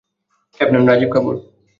Captain Rajiv Kapoor.